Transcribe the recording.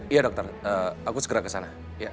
iya dokter aku segera ke sana